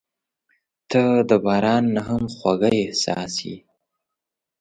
• ته د باران نه هم خوږه احساس یې.